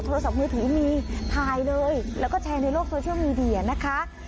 โทรศัพท์มือถือมีถ่ายเลยแล้วก็แชร์ในโลกโซเชียลมีเดียนะคะ